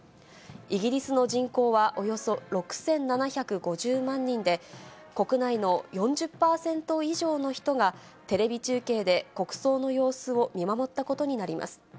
イギリスの人口はおよそ６７５０万人で、国内の４０％以上の人がテレビ中継で国葬の様子を見守ったことになります。